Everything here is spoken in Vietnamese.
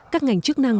các ngành chức năng